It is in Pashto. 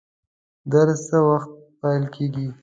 درس څه وخت پیل کیږي؟